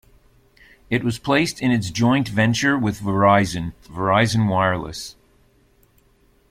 It was placed in its joint venture with Verizon, Verizon Wireless.